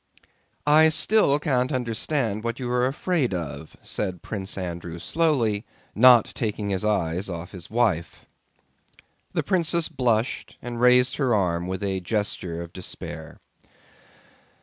"I still can't understand what you are afraid of," said Prince Andrew slowly, not taking his eyes off his wife. The princess blushed, and raised her arms with a gesture of despair.